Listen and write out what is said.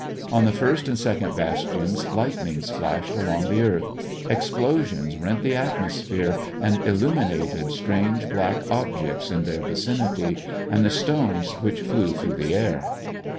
On the first and second bastions, lightnings flashed along the earth ; explosions rent the atmosphere, and illuminated strange black objects in their vicinity, and the stones which flew through the air.